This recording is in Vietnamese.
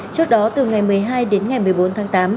trước đó từ ngày một mươi hai đến ngày một mươi bốn tháng tám